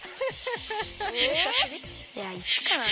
いや１かな？